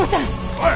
おい！